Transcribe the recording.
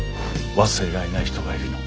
「忘れられない人がいるの」。